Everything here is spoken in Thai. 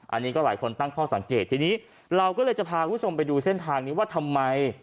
อันนี้ก็หลายคนตั้งข้อสังเกตทีนี้เราก็เลยจะพาคุณผู้ชมไปดูเส้นทางนี้ว่าทำไม